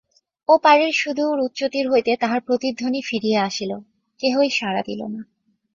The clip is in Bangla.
ও পারের সুদূর উচ্চতীর হইতে তাহার প্রতিধ্বনি ফিরিয়া আসিল–কেহই সাড়া দিল না।